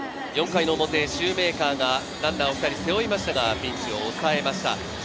４回の表、シューメーカーがランナーを２人背負いましたが、ピンチを抑えました。